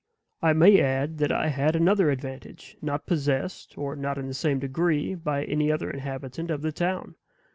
I may add that I had another advantage, not possessed, or not in the same degree, by any other inhabitant of the town.